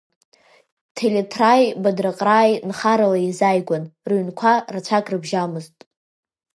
Ҭелеҭрааи Бадраҟрааи нхарала еизааигәан, рыҩнқәа рацәак рыбжьамызт.